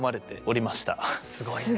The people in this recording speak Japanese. すごいね。